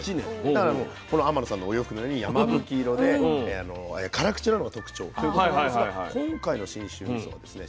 だからこの天野さんのお洋服のようにやまぶき色で辛口なのが特徴ということなんですが今回の信州みそはですね